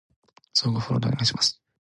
相互フォローでお願いします